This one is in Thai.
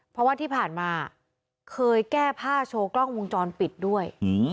เพราะว่าที่ผ่านมาเคยแก้ผ้าโชว์กล้องวงจรปิดด้วย